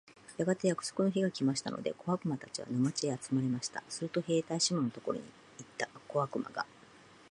やがて約束の日が来ましたので、小悪魔たちは、沼地へ集まりました。すると兵隊シモンのところへ行った小悪魔が、